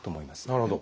なるほど。